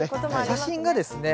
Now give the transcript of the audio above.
写真がですね